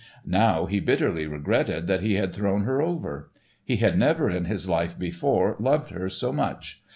Now he bitterly regretted that he had thrown her over. He had never in his life before loved her so much.